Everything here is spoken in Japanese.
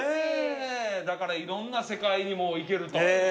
だからいろんな世界にもう行けると実際に。